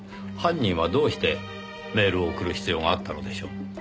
犯人はどうしてメールを送る必要があったのでしょう？